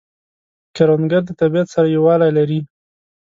کروندګر د طبیعت سره یووالی لري